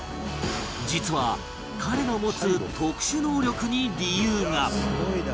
実は彼の持つ特殊能力に理由が！